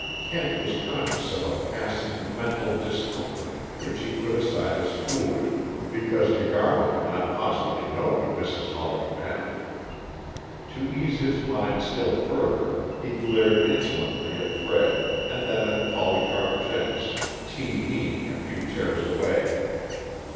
Kent was conscious of a passing, mental discomfort, which he put aside as foolish, because De Garmo could not possibly know what Mrs. Hawley meant. To ease his mind still further he glared insolently at Fred, and then at Polycarp Jenks _te hee_ing a few chairs away.